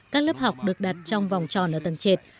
các lớp học được đặt trong vòng tròn ở tầng trệt